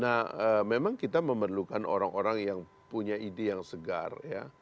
nah memang kita memerlukan orang orang yang punya ide yang segar ya